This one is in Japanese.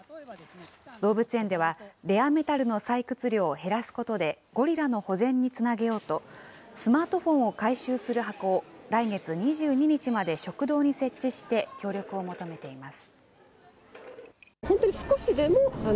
動物園では、レアメタルの採掘量を減らすことで、ゴリラの保全につなげようと、スマートフォンを回収する箱を来月２２日まで食堂に設置して協力を求めています。